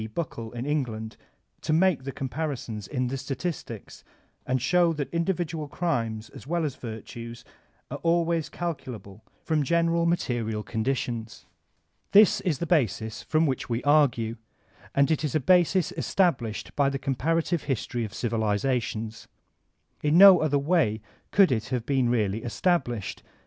Buckle in England, to make the comparisons in the statistics, and show that individual crimes as well as virtues are always calculable from gen* eral material conditions. This b the basis from which we argue, and it b a basb establbhed by the comparative hbtory of civilizations. In no other way could it have been really established.